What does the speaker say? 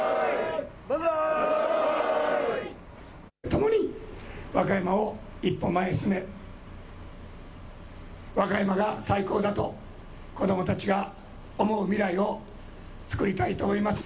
共に和歌山を１歩前に進め和歌山が最高だと子どもたちが思う未来を作りたいと思います。